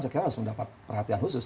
saya kira harus mendapat perhatian khusus